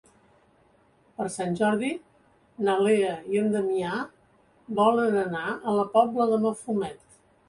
Per Sant Jordi na Lea i en Damià volen anar a la Pobla de Mafumet.